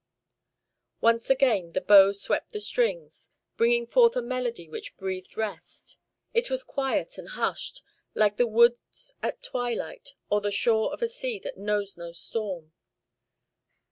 Once again the bow swept the strings, bringing forth a melody which breathed rest. It was quiet and hushed, like the woods at twilight, or the shore of a sea that knows no storm.